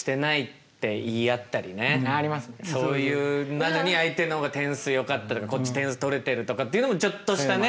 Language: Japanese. なのに相手の方が点数よかったとかこっち点数取れてるとかっていうのもちょっとしたね